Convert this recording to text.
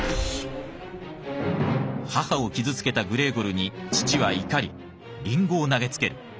母を傷つけたグレーゴルに父は怒りリンゴを投げつける。